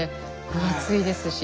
分厚いですし。